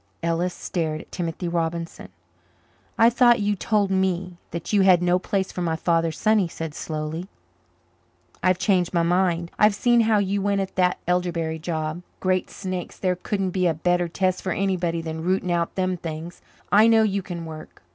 Ellis stared at Timothy Robinson. "I thought you told me that you had no place for my father's son," he said slowly. "I've changed my mind. I've seen how you went at that elderberry job. Great snakes, there couldn't be a better test for anybody than rooting out them things. I know you can work.